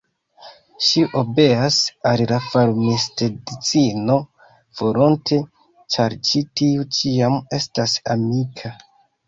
Ŝi obeas al la farmistedzino volonte, ĉar ĉi tiu ĉiam estas amika.